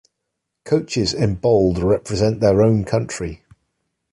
Coaches in bold represent their own country.